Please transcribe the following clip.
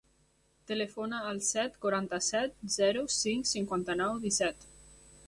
Telefona al set, quaranta-set, zero, cinc, cinquanta-nou, disset.